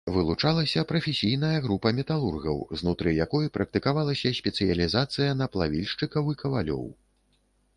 Вылучалася прафесійная група металургаў, знутры якой практыкавалася спецыялізацыя на плавільшчыкаў і кавалёў.